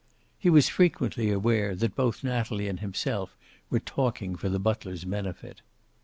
He was frequently aware that both Natalie and himself were talking for the butler's benefit.